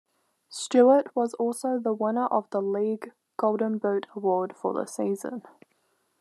Stuart was also the winner of the league Golden Boot award for the season.